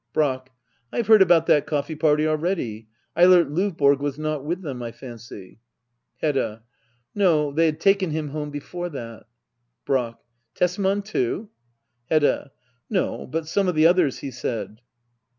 Brack. I have heard about that cofFee party already. Eilert Lovborg was not with them^ I fancy } Hedda. No^ they had taken him home before that. Brack. Tesman too? Hedda. No, but some of the others, he said.